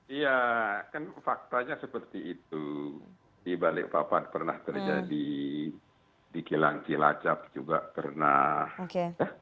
iya kan faktanya seperti itu di balikpapan pernah terjadi di kilang cilacap juga pernah